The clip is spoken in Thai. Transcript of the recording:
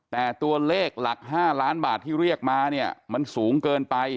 แต่ตัวเลขหลัก๕ล้านบาทที่เรียกมาเนี่ยมันสูงเกินไป